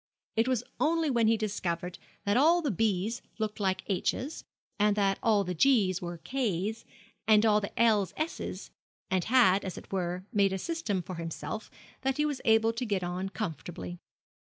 It was only when he had discovered that all the B's looked like H's, and that all the G's were K's, and all the L's S's, and had, as it were, made a system for himself, that he was able to get on comfortably.